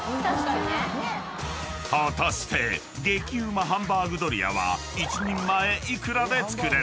［果たして激うまハンバーグドリアは１人前幾らで作れるのか？］